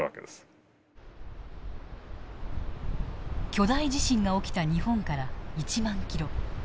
巨大地震が起きた日本から１万ｋｍ。